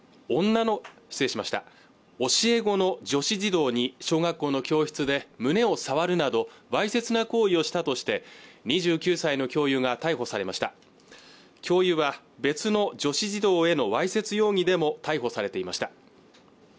教え子の女子児童に小学校の教室で胸を触るなどわいせつな行為をしたとして２９歳の教諭が逮捕されました教諭は別の女子児童へのわいせつ容疑でも逮捕されていました